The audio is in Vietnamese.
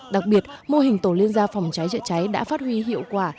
đặc biệt mô hình tổ liên gia phòng cháy chữa cháy đã phát huy hiệu quả